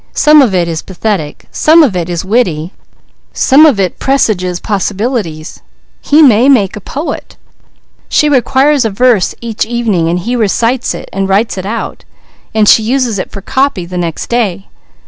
Some of it is pathetic, some of it is witty, some of it presages possibilities. He may make a poet. She requires a verse each evening, so he recites it, then writes it out, and she uses it for copy the next day.